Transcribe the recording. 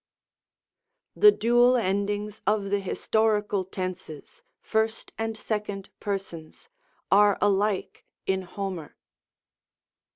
The Dual endings of the historical tenses, 1st and 2d Persons, are alike in Homer.